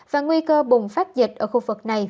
và nguy cơ bùng phát dịch ở khu vực này